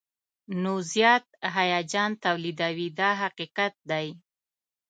نو زیات هیجان تولیدوي دا حقیقت دی.